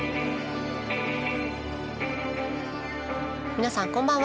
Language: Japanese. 皆さんこんばんは。